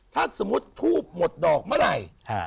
ถ้าสมมุติทูบหมดดอกเมื่อไหร่